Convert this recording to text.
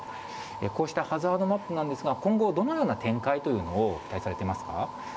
こうしたハザードマップなんですが、今後、どのような展開というのを期待されてますか。